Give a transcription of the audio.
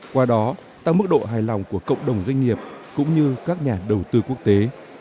qua đó tăng mức độ hài lòng của cộng đồng doanh nghiệp cũng như các nhà đầu tư quốc tế